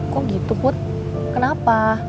kok gitu put kenapa